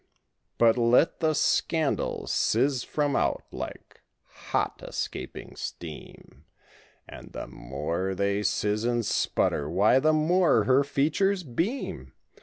But let the scandals sizz from out like hot escaping steam And the more they sizz and sputter why the more her features beam.